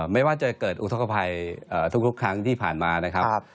ไม่ว่าจะเกิดอุทธกภัยทุกครั้งที่ผ่านมานะครับ